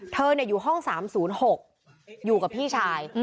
อยู่ห้อง๓๐๖อยู่กับพี่ชาย